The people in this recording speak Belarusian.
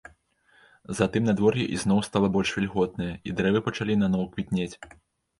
Затым надвор'е ізноў стала больш вільготнае, і дрэва пачалі наноў квітнець.